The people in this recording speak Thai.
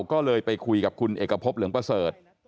ก็เลยไปคุยกับคุณเอกพบเหลืองประเสริฐ